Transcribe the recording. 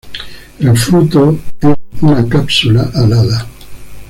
El fruto es una cápsula alada.